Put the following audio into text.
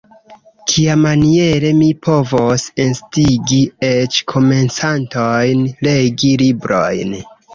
Kiamaniere mi povos instigi eĉ komencantojn legi librojn?